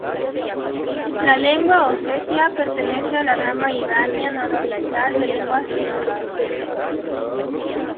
La lengua osetia pertenece a la rama irania nororiental de lenguas indoeuropeas.